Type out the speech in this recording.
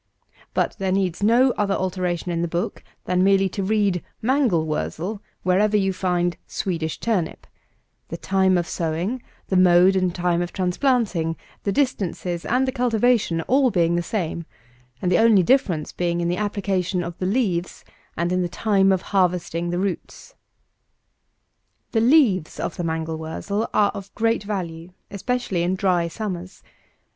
But there needs no other alteration in the book, than merely to read mangel wurzel wherever you find Swedish turnip; the time of sowing, the mode and time of transplanting, the distances, and the cultivation, all being the same; and the only difference being in the application of the leaves, and in the time of harvesting the roots. 255. The leaves of the MANGEL WURZEL are of great value, especially in dry summers.